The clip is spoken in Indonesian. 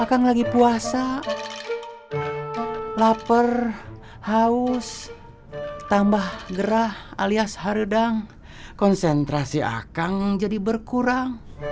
akan lagi puasa lapar haus tambah gerah alias hardang konsentrasi akang jadi berkurang